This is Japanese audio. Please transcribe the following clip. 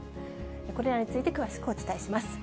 これらについて詳しくお伝えします。